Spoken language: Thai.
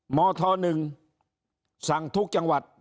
หมอท้อนึงสั่งทุกจังหวัด